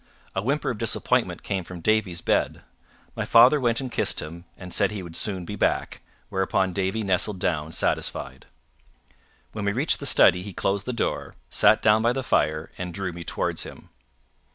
A whimper of disappointment came from Davie's bed. My father went and kissed him, and said he would soon be back, whereupon Davie nestled down satisfied. When we reached the study, he closed the door, sat down by the fire, and drew me towards him.